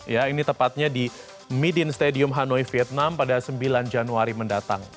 ya ini tepatnya di midin stadium hanoi vietnam pada sembilan januari mendatang